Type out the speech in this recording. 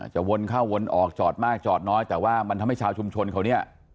วนเข้าวนออกจอดมากจอดน้อยแต่ว่ามันทำให้ชาวชุมชนเขาเนี่ย